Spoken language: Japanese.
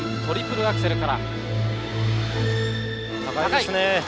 トリプルアクセルです。